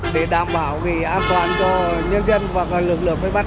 để đảm bảo an toàn cho nhân dân và lực lượng vây bắt